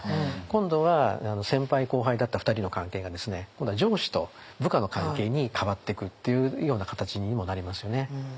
今度は先輩後輩だった２人の関係がですね今度は上司と部下の関係に変わってくっていうような形にもなりますよね。